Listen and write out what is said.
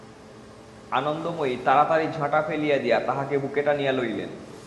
আনন্দময়ী তাড়াতাড়ি ঝাঁটা ফেলিয়া দিয়া তাহাকে বুকে টানিয়া লইলেন।